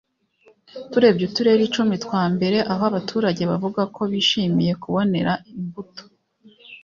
Turebye uturere icumi twa mbere aho abaturage bavuga ko bishimiye kubonera imbuto